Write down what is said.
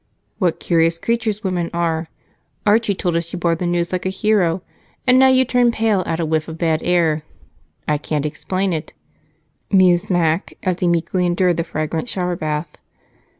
"What curious creatures women are! Archie told us you bore the news like a hero, and now you turn pale at a whiff of bad air. I can't explain it," mused Mac as he meekly endured the fragrant shower bath.